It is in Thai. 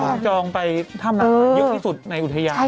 เค้าจองไปทำนางเยอะที่สุดในอุทยาน